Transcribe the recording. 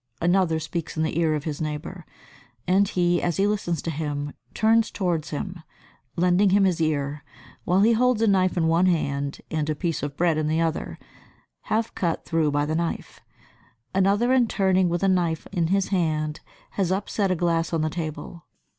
Another speaks in the ear of his neighbour, and he, as he listens to him, turns towards him, lending him his ear, while he holds a knife in one hand and a piece of bread in the other, half cut through by the knife. Another, in turning with a knife in his hand, has upset a glass on the table.